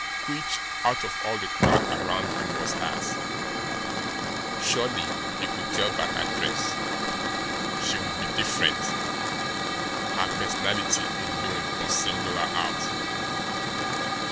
Which, out of all the crowd around him, was hers? Surely he could tell her by her dress; she would be different; her personality alone must single her out.